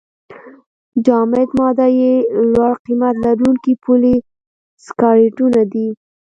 جامد ماده یې لوړ قیمت لرونکي پولې سکرایډونه دي.